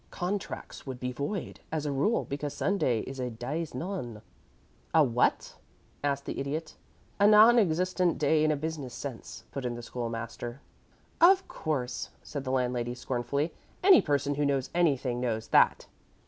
Contracts would be void, as a rule, because Sunday is a dies non." "A what?" asked the Idiot. "A non existent day in a business sense," put in the School master. "Of course," said the landlady, scornfully. "Any person who knows anything knows that."